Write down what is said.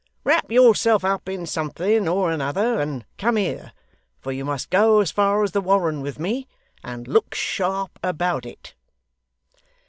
Wrap yourself up in something or another, and come here, for you must go as far as the Warren with me. And look sharp about it.